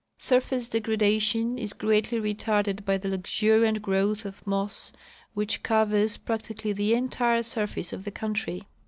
Sur face degradation is greatly retarded by the luxuriant growth of moss which covers practically the entire surface of the country.